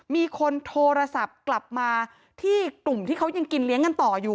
มีคนโทรศัพท์กลับมาที่กลุ่มที่เขายังกินเลี้ยงกันต่ออยู่